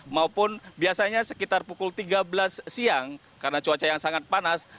maupun biasanya sekitar pukul tiga belas siang karena cuaca yang sangat panas